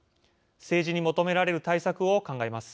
政治に求められる対策を考えます。